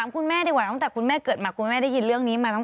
คุณแม่จะพาคุณแม่